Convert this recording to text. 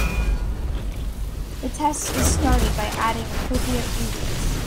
The test is started by adding appropriate reagents.